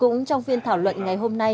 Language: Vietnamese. cũng trong phiên thảo luận ngày hôm nay